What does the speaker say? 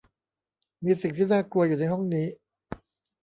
มีสิ่งที่น่ากลัวอยู่ในห้องนี้